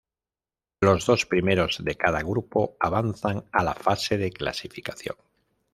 Los dos primeros de cada grupo avanzan a la fase de clasificación.